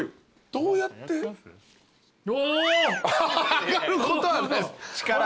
上がることはないです。